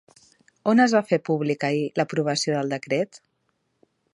On es va fer públic ahir l'aprovació del decret?